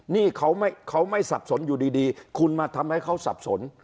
นี่เขาไม่สับสนอยู่ดีคุณมาทำให้เขาสับสน